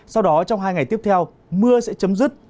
sau đó trong hai ngày tiếp theo mưa sẽ chấm dứt